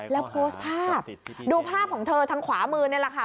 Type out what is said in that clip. แล้วโพสต์ภาพดูภาพของเธอทางขวามือนี่แหละค่ะ